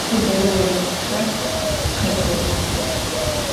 Te bere voredxer khete'ox.